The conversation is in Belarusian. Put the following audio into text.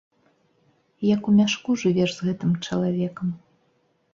Як у мяшку жывеш з гэтым чалавекам.